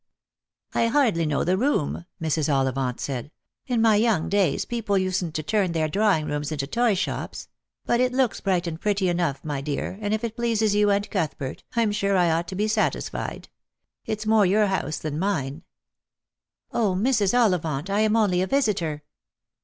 " I hardly know the room," Mrs. Ollivant said. " In my young days people usen't to turn their drawing rooms into toyshops ; but it looks bright and pretty enough, my dear, and if it pleases you and Cuthbert, I'm sure I ought to be satisfied. It's more your house than mine." " 0, Mrs. Ollivant, I am only a visitor."